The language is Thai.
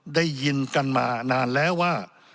ได้ยินกันมานานแล้วว่า